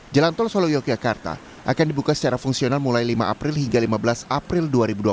jalan tol solo yogyakarta akan dibuka secara fungsional mulai lima april hingga lima belas april dua ribu dua puluh